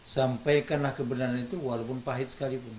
sampaikanlah kebenaran itu walaupun pahit sekalipun